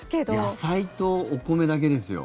野菜とお米だけですよ。